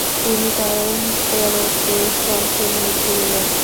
তিনি তার তেরো টেস্টে অংশ নিয়েছিলেন।